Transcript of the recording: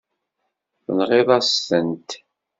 Tenɣiḍ-as-tent.